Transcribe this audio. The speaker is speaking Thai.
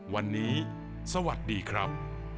วันนี้สวัสดีครับ